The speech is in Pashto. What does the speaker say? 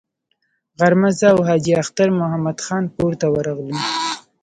غرمه زه او حاجي اختر محمد خان کور ته ورغلو.